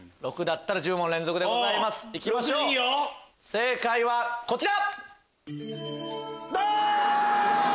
正解はこちら！